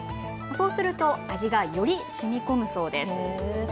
そうすると味がよりしみこむそうです。